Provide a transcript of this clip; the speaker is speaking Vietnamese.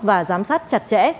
và giám sát chặt chẽ